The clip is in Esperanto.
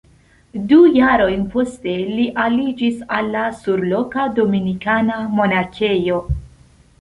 Du jarojn poste li aliĝis al la surloka dominikana monakejo.